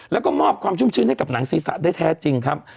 แล้วก็มอบความชุ่มชื้นให้กับหนังศีรษะได้แท้จริงครับ